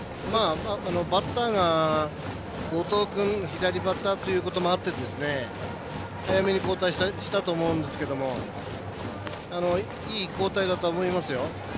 バッターが後藤君、左バッターということもあって早めに交代したと思うんですけどもいい交代だと思いますよ。